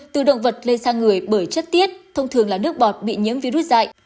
từ động vật lên sang người bởi chất tiết thông thường là nước bọt bị nhiễm virus dạy